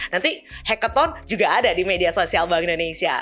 nanti hacketon juga ada di media sosial bank indonesia